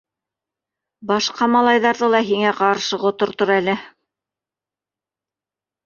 Башҡа малайҙарҙы ла һиңә ҡаршы ҡотортор әле.